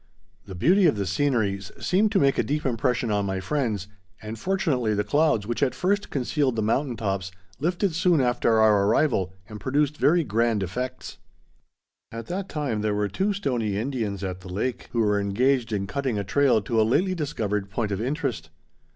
The beauty of the scenery seemed to make a deep impression on my friends, and fortunately the clouds which at first concealed the mountain tops lifted soon after our arrival and produced very grand effects. At that time there were two Stoney Indians at the lake, who were engaged in cutting a trail to a lately discovered point of interest.